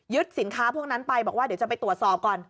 สินค้าพวกนั้นไปบอกว่าเดี๋ยวจะไปตรวจสอบก่อน